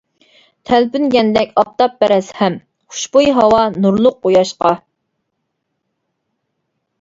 تەلپۈنگەندەك ئاپتاپپەرەس ھەم، خۇشبۇي ھاۋا نۇرلۇق قۇياشقا.